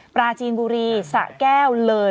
ปลาจีนบุรีย์สระแก้วเหลย